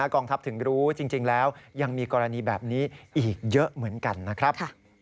กองทัพถึงรู้จริงแล้วยังมีกรณีแบบนี้อีกเยอะเหมือนกันนะครับ